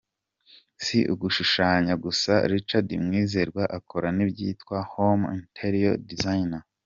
Si ugushushanya gusa, Richard Mwizerwa akora n'ibyitwa 'Home Interior Design'.